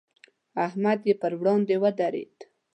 احمد یې پر وړاندې ودرېد.